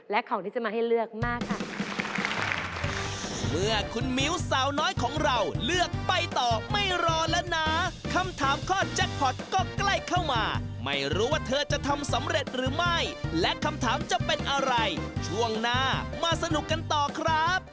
และของที่จะมาให้เลือกมากค่ะ